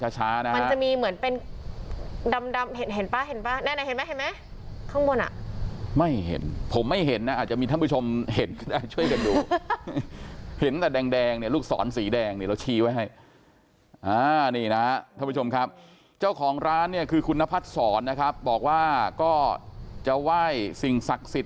เจ้าของร้านคือคุณนพัฒน์สอนนะครับบอกว่าก็จะไหว้สิ่งศักดิ์สิทธิ์